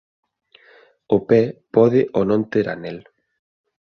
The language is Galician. O pé pode o non ter anel.